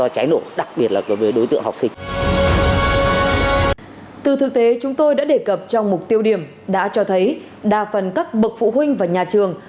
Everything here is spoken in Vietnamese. chúng tôi đã đề cập trong mục tiêu điểm đã cho thấy đa phần các bậc phụ huynh và nhà trường